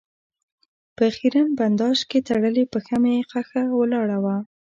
په خېرن بنداژ کې تړلې پښه مې ښخه ولاړه وه.